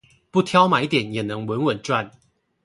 不挑買點也能穩穩賺